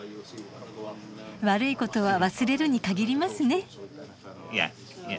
悪いことは忘れるにかぎりますね。